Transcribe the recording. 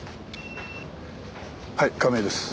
はい亀井です。